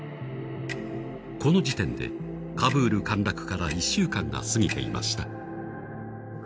この時点でカブール陥落から１週間が過ぎていました。